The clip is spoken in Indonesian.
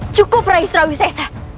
cukup rai israwi sesa